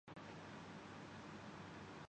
او ر وہی کریم ہے کہ اپنا کرم کردے ۔